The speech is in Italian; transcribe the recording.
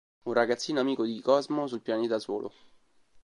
Un ragazzino amico di Cosmo sul pianeta Solo.